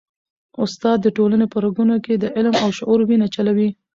استاد د ټولني په رګونو کي د علم او شعور وینه چلوي.